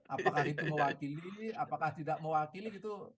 apakah itu mewakili ini apakah tidak mewakili gitu